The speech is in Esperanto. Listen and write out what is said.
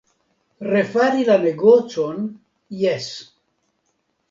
Refari la negocon, jes.